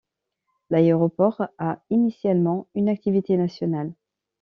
L'aéroport a initialement une activité nationale.